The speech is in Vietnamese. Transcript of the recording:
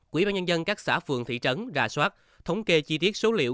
quỹ ba nhân dân các xã phường thị trấn ra soát thống kê chi tiết số liệu